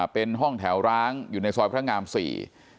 เป็นห้องแถวร้างอยู่ในซอยพระงามสี่